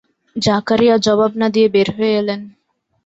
জাকারিয়া জবাব না দিয়ে বের হয়ে এলেন।